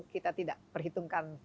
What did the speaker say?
kita tidak perhitungkan